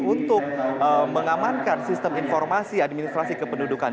untuk mengamankan sistem informasi administrasi kependudukan